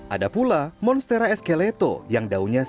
ada pula monstera eskeleto yang daunnya